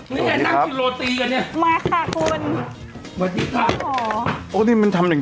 นี่อยากนั่งกินโรตีกันเนี่ยมาค่ะคุณ